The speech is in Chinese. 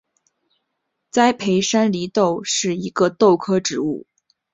栽培山黧豆是一种豆科植物。